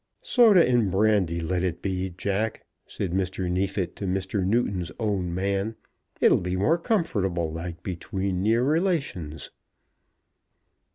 "Soda and brandy let it be, Jack," said Mr. Neefit to Mr. Newton's own man. "It'll be more comfortable like between near relations."